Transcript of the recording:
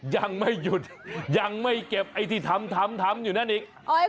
ยังไม่หยุดยังไม่เก็บไอ้ที่ทำทำอยู่นั่นอีก